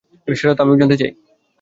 সেটা তো আমিও জানতে চাই!